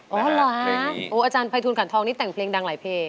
อ๋อเหรออาจารย์ไภทูลขันทองนี่แต่งเพลงดังหลายเพลง